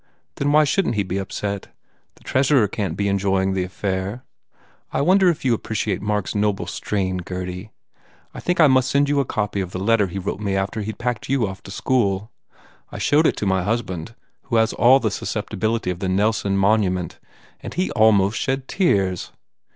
Then why shouldn t he be upset? The treasurer can t be en joying the affair. I wonder if you appreciate Mark s noble strain, Gurdy? I think I must send you a copy of the letter he wrote me after he d packed you off to school. I showed it to my husband who has all the susceptibility of the Nelson monument and he almost shed tears.